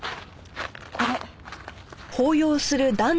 これ。